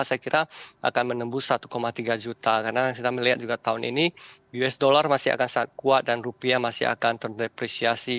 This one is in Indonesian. saya kira akan menembus satu tiga juta karena kita melihat juga tahun ini us dollar masih akan kuat dan rupiah masih akan terdepresiasi